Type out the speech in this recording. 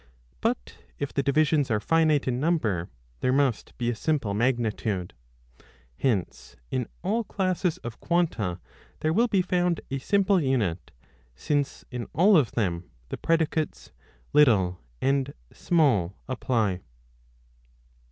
a But if the divisions are finite in number, there must be a simple magnitude. Hence in all classes of quanta there will be found a simple unit, since in all of them the predicates little and small apply.